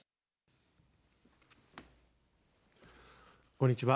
こんにちは。